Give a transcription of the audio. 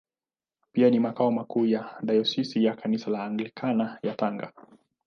Pia ni makao makuu ya Dayosisi ya Kanisa la Anglikana ya Tanga.